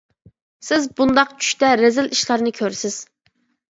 سىز بۇنداق چۈشتە رەزىل ئىشلارنى كۆرىسىز.